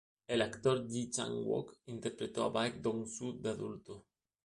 El actor Ji Chang-wook interpretó a Baek Dong-soo de adulto.